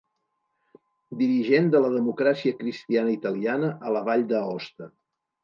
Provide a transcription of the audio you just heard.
Dirigent de la Democràcia Cristiana Italiana a la Vall d'Aosta.